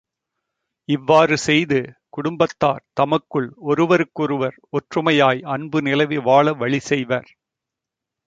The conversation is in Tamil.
இவ்வாறு செய்து குடும்பத்தார் தமக்குள் ஒருவர்க்கொருவர் ஒற்றுமையாய் அன்பு நிலவி வாழ வழிசெய்வர்.